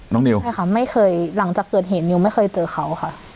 นิวใช่ค่ะไม่เคยหลังจากเกิดเหตุนิวไม่เคยเจอเขาค่ะ